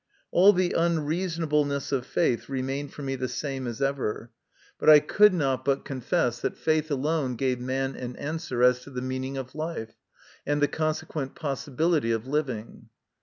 All the unreasonableness of faith remained for me the same as ever, but I could not but MY CONFESSION. 87 confess that faith alone gave man an answer as to the meaning of life, and the consequent possibility of living.